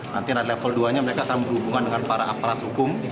nanti level dua nya mereka akan berhubungan dengan para aparat hukum